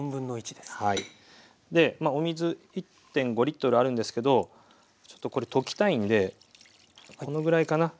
でお水１．５あるんですけどちょっとこれ溶きたいんでこのぐらいかな？